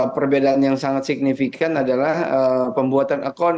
perbedaan yang sangat signifikan adalah pembuatan akun